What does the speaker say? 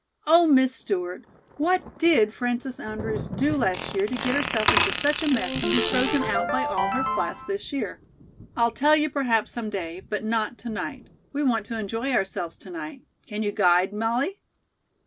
"Oh, Miss Stewart, what did Frances Andrews do last year to get herself into such a mess and be frozen out by all her class this year?" "I'll tell you perhaps some day, but not to night. We want to enjoy ourselves to night. Can you guide, Molly?"